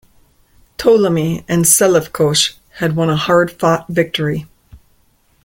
Ptolemy and Seleucus had won a hard-fought victory.